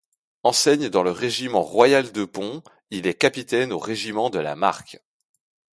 Enseigne dans le régiment Royal-Deux-Ponts, il est capitaine au régiment de la Marck.